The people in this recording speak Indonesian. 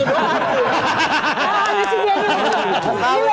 ini sih dia bilang